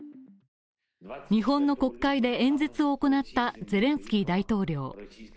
日本の国会で演説を行ったゼレンスキー大統領。